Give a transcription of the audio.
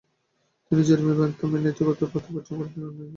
তিনি Jeremy Bentham এর নীতিগত তত্ত্ব উপযোগবাদের উন্নয়নে অগ্রসর হয়েছিলেন।